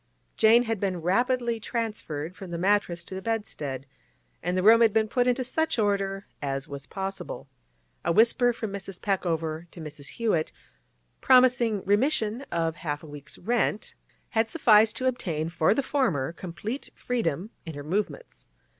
Jane had been rapidly transferred from the mattress to the bedstead, and the room had been put into such order as was possible. A whisper from Mrs. Peckover to Mrs. Hewett, promising remission of half a week's rent, had sufficed to obtain for the former complete freedom in her movements.